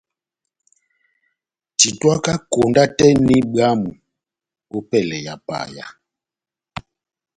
Titwaka konda tɛ́h eni bwámu opɛlɛ ya paya.